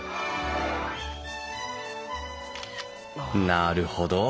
なるほど。